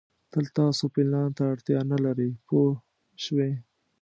تل تاسو پلان ته اړتیا نه لرئ پوه شوې!.